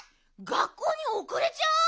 学校におくれちゃう！